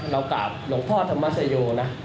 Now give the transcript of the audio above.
กราบหลวงพ่อธรรมสโยนะ